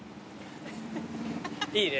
いいね。